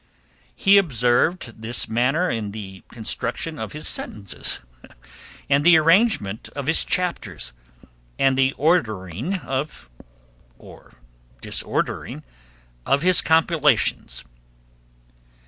He observed this manner in the construction of his sentences, and the arrangement of his chapters, and the ordering or disordering of his compilations.